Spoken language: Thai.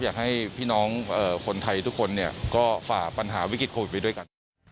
อยากให้พี่น้องคนไทยทุกคนเนี่ยก็ฝ่าปัญหาวิกฤตโควิดไปด้วยกัน